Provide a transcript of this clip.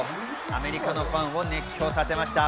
アメリカのファンを熱狂させました。